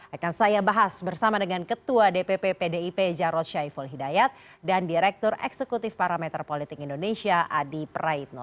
akan saya bahas bersama dengan ketua dpp pdip jarod syaiful hidayat dan direktur eksekutif parameter politik indonesia adi praitno